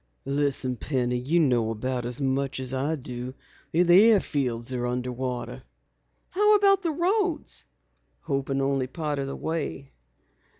"Listen, Penny, you know as much about it as I do. The airfields are under water." "How about the roads?" "Open only part of the way."